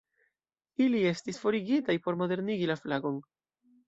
Ili estis forigitaj por modernigi la flagon.